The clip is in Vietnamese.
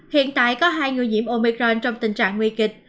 hiện tại có hai người nhiễm omicron trong tình trạng nguy kịch